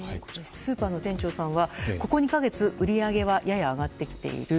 スーパーの店長さんはここ２か月は売上はやや上がってきている。